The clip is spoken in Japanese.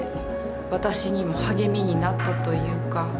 私にも励みになったというか。